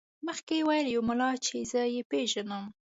مخکې یې وویل یو ملا چې زه یې پېژنم.